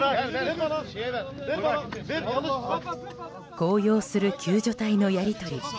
高揚する救助隊のやり取り。